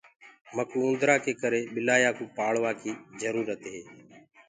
مڪوُ اُوندرآ ڪي ڪري ٻلآيآ ڪوُ پآݪوآ ڪي جرُورت هي۔